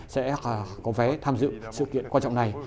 sẽ có vé tham dự sự kiện quan trọng này